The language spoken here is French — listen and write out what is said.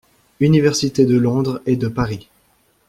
Universités de Londres et de Paris.